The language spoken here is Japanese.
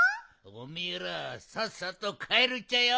おめえらさっさとかえるっちゃよ！